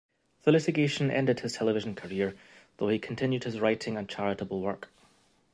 The litigation ended his television career, though he continued his writing and charitable work.